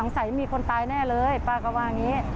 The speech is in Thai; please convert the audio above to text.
ใสมีคนตายแน่เลยป้าก็ว่าอย่างนี้